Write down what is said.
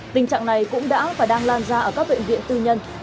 tình trạng này cũng đã và đang lan ra ở các bệnh viện tư nhân